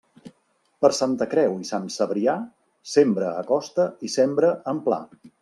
Per Santa Creu i Sant Cebrià, sembra a costa i sembra en pla.